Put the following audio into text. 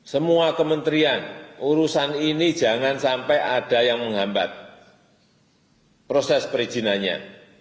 semua kementerian urusan ini jangan sampai ada yang menghambat proses perizinannya